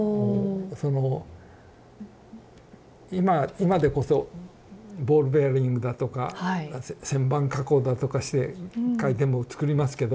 その今でこそボールベアリングだとか旋盤加工だとかして回転部をつくりますけど。